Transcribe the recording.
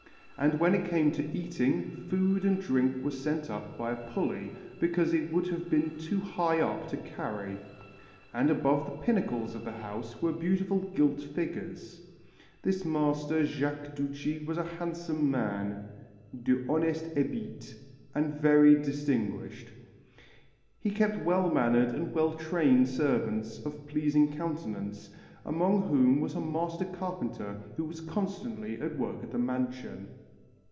And when it came to eating, food and drink were sent up by a pulley, because it would have been too high up to carry. And above the pinnacles of the house were beautiful gilt figures. This master Jacques Duchie was a handsome man 'de honneste hebit' and very distinguished; he kept well mannered and well trained servants of pleasing countenance, among whom was a master carpenter who was constantly at work at the mansion."